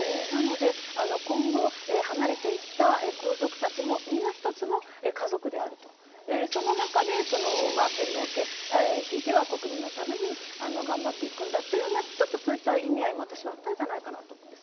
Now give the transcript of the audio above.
今後、離れていった皇族たちもみんな一つの家族である、その中で天皇家、ひいては国民のために頑張っていくんだというようなそういった意味合いもあったんじゃないかと思うんです。